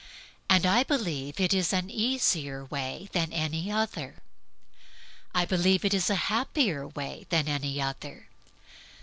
And I believe it is an easier way than any other. I believe it is a happier way than any other.